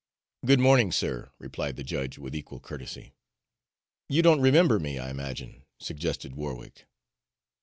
"Good morning, sir," replied the judge with equal courtesy. "You don't remember me, I imagine," suggested Warwick.